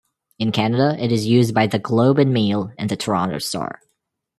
In Canada, it is used by "The Globe and Mail" and the "Toronto Star".